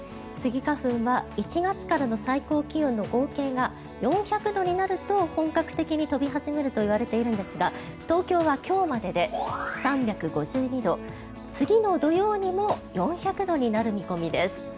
スギ花粉は１月からの最高気温の合計が４００度になると本格的に飛び始めるといわれているんですが東京は今日までで３５２度次の土曜にも４００度になる見込みです。